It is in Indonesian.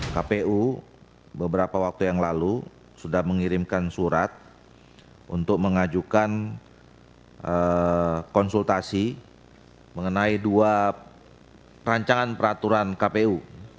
kpu beberapa waktu yang lalu sudah mengirimkan surat untuk mengajukan konsultasi mengenai dua rancangan peraturan kpu